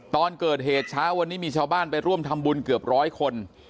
ตอนเกิดเหตุเช้าวันนี้มีชาวบ้านไปร่วมทำบุญเกือบร้อยคน